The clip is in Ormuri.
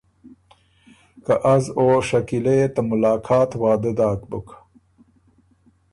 که از او شکیلۀ يې ته ملاقات وعدۀ داک بُک۔